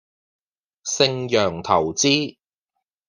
盛洋投資